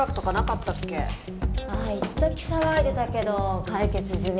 ああいっとき騒いでたけど解決済み。